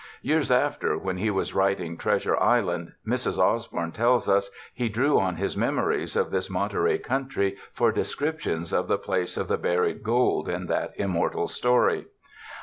Years after, when he was writing "Treasure Island," Mrs. Os bourne tells us, he drew on his memories of this Monterey country for descriptions of the place of the buried gold in that immortal story.